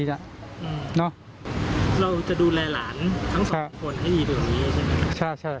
เราจะดูแลหลานทั้งสามคนวิทยุตรเป็นอย่างนี้ใช่ไหม